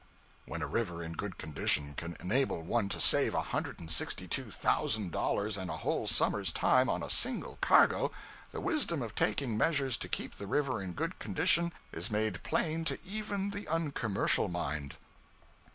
When a river in good condition can enable one to save $162,000 and a whole summer's time, on a single cargo, the wisdom of taking measures to keep the river in good condition is made plain to even the uncommercial mind.